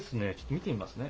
見てみますね。